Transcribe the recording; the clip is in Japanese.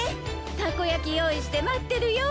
たこやき用意して待ってるよ。